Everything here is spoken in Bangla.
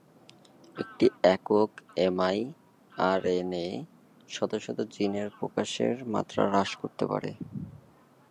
একটি একক এম আই আরএনএ শত শত জিনের প্রকাশের মাত্রা হ্রাস করতে পারে।